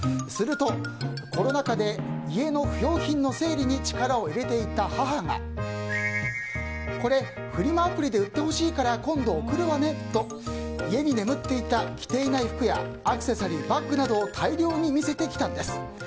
するとコロナ禍で家の不用品の整理に力を入れていた母がこれフリマアプリで売ってほしいから今度送るわねと家に眠っていた着ていない服やアクセサリー、バッグなどを大量に見せてきたんです。